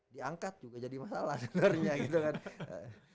diangkat juga jadi masalah sebenarnya gitu kan